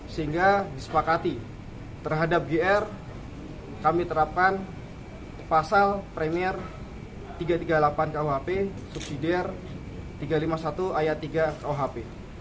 sehingga disepakati terhadap gr kami terapkan pasal premier tiga ratus tiga puluh delapan kuhp subsidi r tiga ratus lima puluh satu ayat tiga kuhp